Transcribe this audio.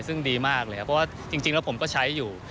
ซึ่งดีมากเลยครับเพราะว่าจริงแล้วผมก็ใช้อยู่